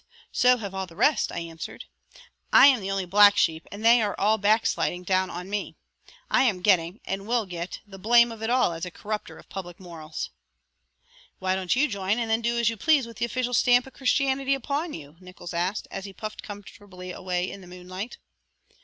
So have all the rest," I answered. "I am the only black sheep and they are all backsliding down on me. I am getting, and will get, the blame of it all as a corrupter of public morals." "Why don't you join and then do as you please with the official stamp of Christianity upon you?" Nickols asked, as he puffed comfortably away in the moonlight.